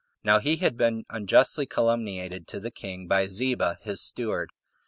Now he had been unjustly calumniated to the king by Ziba, his steward.